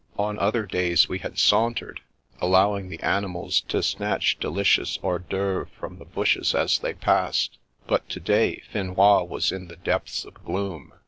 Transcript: On other days we had sauntered, allowing the animals to snatch delicious hors d'osuvres from the bushes as they passed, but to day Finois was in the depths of gloom.